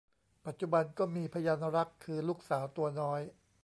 ปัจจุบันก็มีพยานรักคือลูกสาวตัวน้อย